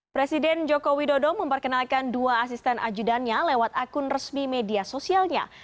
presiden joko widodo memperkenalkan dua asisten ajudannya lewat akun resmi media sosialnya